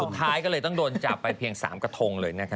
สุดท้ายก็เลยต้องโดนจับไปเพียง๓กระทงเลยนะคะ